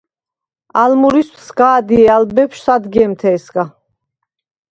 ალ მურვისდ სგა̈დჲე ალ ბეფშვ სადგემთე̄სგა.